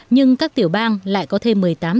nhưng các tiểu bang lại có thêm